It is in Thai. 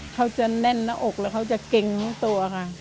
เขาจะแน่นหน้าอกแล้วเขาจะเกรงทั้งตัวค่ะ